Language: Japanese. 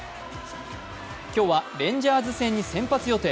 今日はレンジャーズ戦に先発予定。